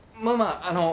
まあまあ。